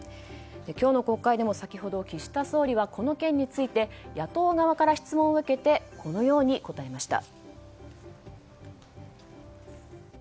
今日の国会でも先ほど岸田総理はこの件について野党側から質問を受けてこのように答えました。